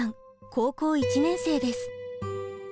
高校１年生です。